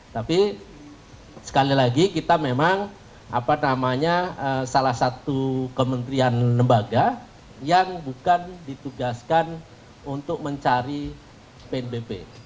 tapi sekali lagi kita memang apa namanya salah satu kementerian lembaga yang bukan ditugaskan untuk mencari pnbp